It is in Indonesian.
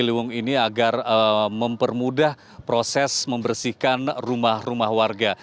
ciliwung ini agar mempermudah proses membersihkan rumah rumah warga